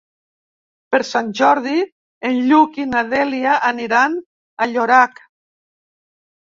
Per Sant Jordi en Lluc i na Dèlia aniran a Llorac.